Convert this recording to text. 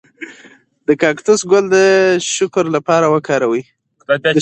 د کاکتوس ګل د شکر لپاره وکاروئ